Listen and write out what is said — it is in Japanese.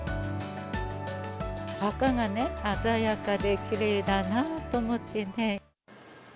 赤がね、鮮やかできれいだなと思ってね。